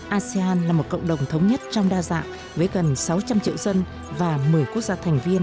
asean là một cộng đồng thống nhất trong đa dạng với gần sáu trăm linh triệu dân và một mươi quốc gia thành viên